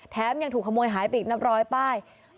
ยังถูกขโมยหายไปอีกนับร้อยป้าย